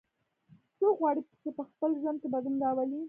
څوک غواړي چې په خپل ژوند کې بدلون راولي